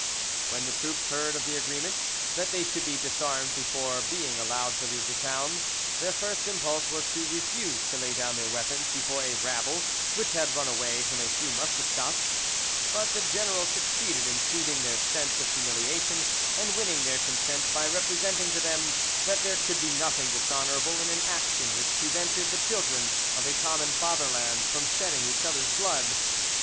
When the troops heard of the agreement, that they should be disarmed before being allowed to leave the town, their first impulse was to refuse to lay down their weapons before a rabble which had run away from a few musket shots; but the general succeeded in soothing their sense of humiliation and winning their consent by representing to them that there could be nothing dishonourable in an action which prevented the children of a common fatherland from shedding each other's blood.